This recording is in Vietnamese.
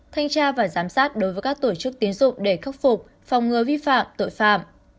thanh tra và giám sát đối với các tổ chức tiến dụng để khắc phục phòng ngừa vi phạm tội phạm